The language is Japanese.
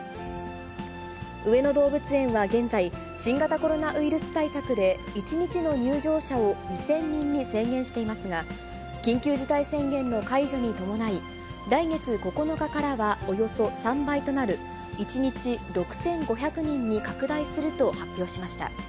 上野動物園は現在、新型コロナウイルス対策で、１日の入場者を２０００人に制限していますが、緊急事態宣言の解除に伴い、来月９日からはおよそ３倍となる１日６５００人に拡大すると発表しました。